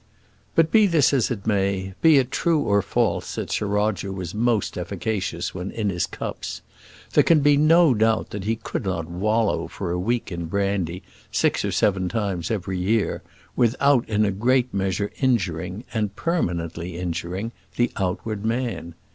But be this as it may, be it true or false that Sir Roger was most efficacious when in his cups, there can be no doubt that he could not wallow for a week in brandy, six or seven times every year, without in a great measure injuring, and permanently injuring, the outward man.